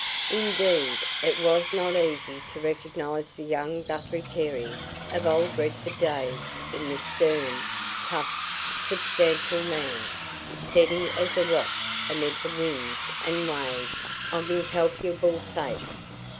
Indeed, it was not easy to recognise the young Guthrie Carey of old Redford days in this stern, tough, substantial man, steady as a rock amid the winds and waves of incalculable fate.